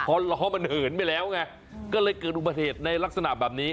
เพราะร้อมันเหินไปแล้วเลยเกิดรูปเทศในลักษณะแบบนี้